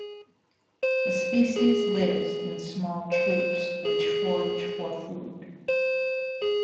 The species lives in small troops which forage for food.